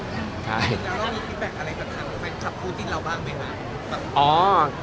จะลองอภักดิ์แปลกแพนคับผู้ติดเราบ้างไหมครับ